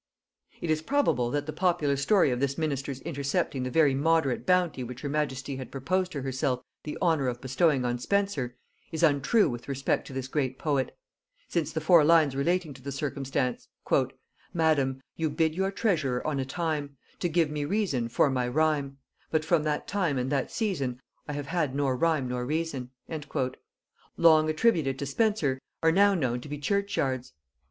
'" It is probable that the popular story of this minister's intercepting the very moderate bounty which her majesty had proposed to herself the honor of bestowing on Spenser, is untrue with respect to this great poet; since the four lines relating to the circumstance, "Madam, You bid your treasurer on a time To give me reason for my rhime, But from that time and that season I have had nor rhyme nor reason," long attributed to Spenser, are now known to be Churchyard's.